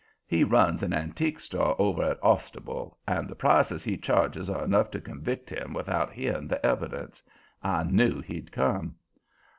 He runs an antique store over at Ostable and the prices he charges are enough to convict him without hearing the evidence. I knew he'd come.